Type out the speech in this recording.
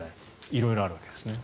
色々あるわけですね。